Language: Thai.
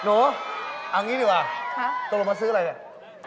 หนูเอานี้ดิว่าต้องมาซื้ออะไรกันครับ